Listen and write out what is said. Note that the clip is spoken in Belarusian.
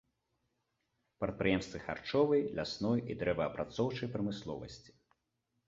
Прадпрыемствы харчовай, лясной і дрэваапрацоўчай прамысловасці.